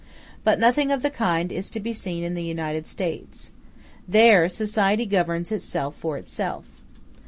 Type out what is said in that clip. But nothing of the kind is to be seen in the United States; there society governs itself for itself.